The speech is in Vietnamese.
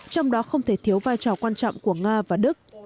trong đó không thể thiếu vai trò quan trọng của nga và đức